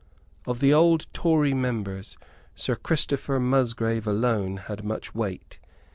Of the old Tory members Sir Christopher Musgrave alone had much weight.